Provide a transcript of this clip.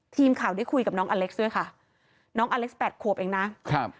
ทีมข่าวได้คุยกับน้องอเล็กซ์ด้วยค่ะน้องอเล็กซ์แปดขวบเองนะครับ